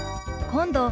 「今度」。